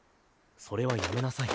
それはやめなさい。